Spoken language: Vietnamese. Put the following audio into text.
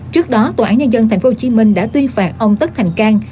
trước đó tòa án nhân dân tp hcm đã tuyên phạt ông tất thành cang